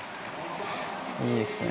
いいっすね。